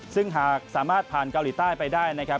ซึ่งหากสามารถผ่านเกาหลีใต้ไปได้นะครับ